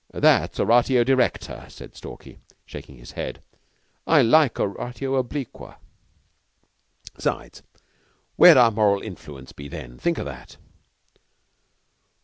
That's oratio directa," said Stalky, shaking his head. "I like oratio obliqua. 'Sides, where'd our moral influence be then? Think o' that!"